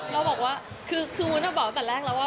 แล้วบอกว่าคือคือวุ้นอะบอกตั้งแต่แรกแล้วว่า